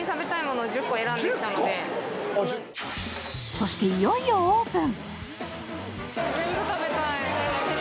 そして、いよいよオープン。